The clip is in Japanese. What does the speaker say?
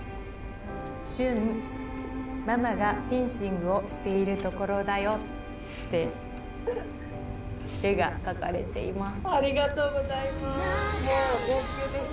旬、ママがフェンシングをしているところだよ、って絵が描かれています。